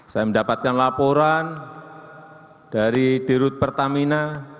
saya mendapatkan laporan dari dirut pertamina